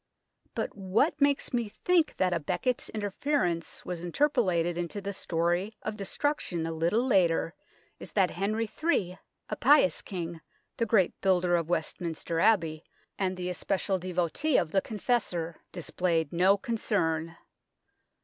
But what makes me think that a Becket's interference was interpolated into the story of destruction a little later is that Henry III, a pious king, the great builder of Westminster Abbey, and the especial devotee of the Confessor, displayed no concern.